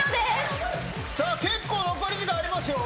結構残り時間ありますよ。